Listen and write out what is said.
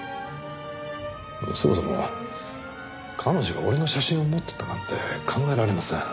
そもそも彼女が俺の写真を持ってたなんて考えられません。